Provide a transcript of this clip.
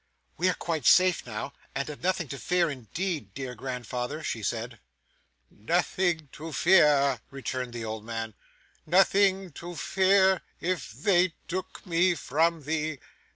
'We are quite safe now, and have nothing to fear indeed, dear grandfather,' she said. 'Nothing to fear!' returned the old man. 'Nothing to fear if they took me from thee!